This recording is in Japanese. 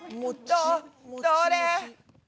どれ？